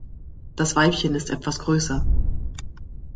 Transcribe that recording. Das Weibchen ist etwas größer.